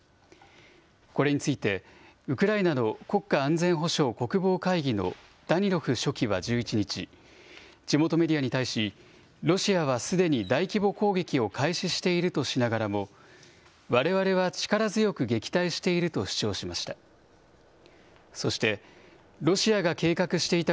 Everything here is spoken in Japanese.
これについて、ウクライナの国家安全保障・国防会議のダニロフ書記は１１日、地元メディアに対し、ロシアはすでに大規模攻撃を開始しているとしながらも、われわれは力強く撃退していると主張しました。